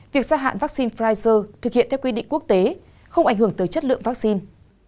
việc gia hạn vaccine pfizer thực hiện theo quy định quốc tế không ảnh hưởng tới chất lượng vaccine